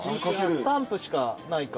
スタンプしかないか。